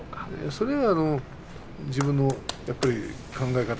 それは自分の考え方